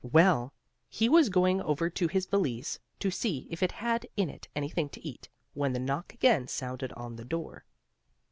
Well, he was going over to his valise to see if it had in it anything to eat, when the knock again sounded on the door.